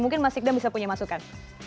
mungkin mas ikda bisa punya masukan